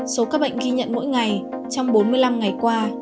số ca bệnh ghi nhận mỗi ngày trong bốn mươi năm ngày qua